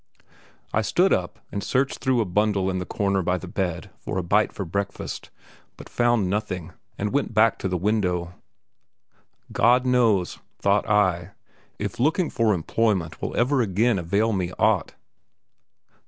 I stood up and searched through a bundle in the corner by the bed for a bite for breakfast, but finding nothing, went back to the window. God knows, thought I, if looking for employment will ever again avail me aught.